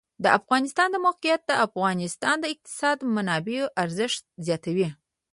د افغانستان د موقعیت د افغانستان د اقتصادي منابعو ارزښت زیاتوي.